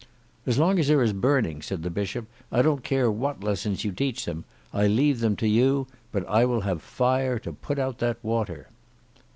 "As long as there is burning," said the Bishop, "I don't care what lessons you teach them. I leave them to you; but I will have fire to put out that water."